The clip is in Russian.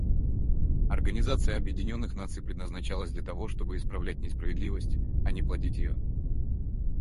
Организация Объединенных Наций предназначалась для того, чтобы исправлять несправедливость, а не плодить ее.